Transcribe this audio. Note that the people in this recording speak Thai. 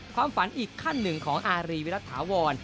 ความฝันอีกขั้นหนึ่งของอารีวิรัฐาวร